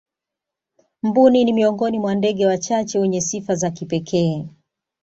mbuni ni miongoni mwa ndege wachache wenye sifa za kipekee